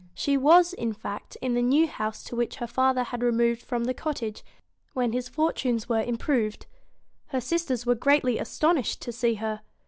She was, in fact, in the new house to which her father had removed from the cottage, when his fortunes were improved. Her sisters were greatly astonished to see her.